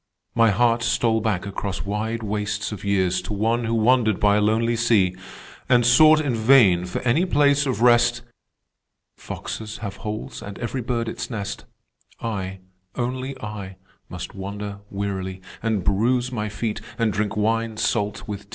"My heart stole back across wide wastes of years To One who wandered by a lonely sea; And sought in vain for any place of rest: 'Foxes have holes, and every bird its nest, I, only I, must wander wearily, And bruise my feet, and drink wine salt with tears.